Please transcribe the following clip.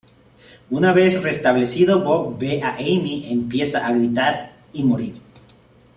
Una vez restablecido, Bob ve a Amy, empieza a gritar y morir.